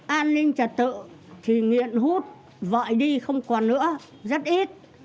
an ninh trật tự thì nghiện hút vọi đi không còn nữa rất ít